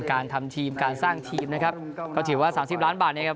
การทำทีมการสร้างทีมนะครับก็ถือว่าสามสิบล้านบาทนะครับ